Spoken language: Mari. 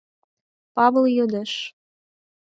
— Павыл йодеш.